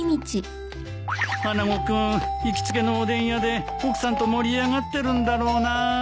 穴子君行きつけのおでん屋で奥さんと盛り上がってるんだろうな。